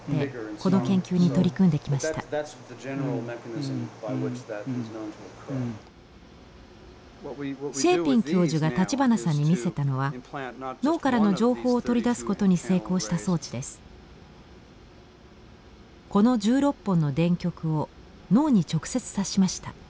この１６本の電極を脳に直接刺しました。